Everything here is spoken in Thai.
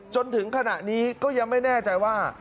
จนถึงขณะนี้ก็ยังไม่แน่ใจว่า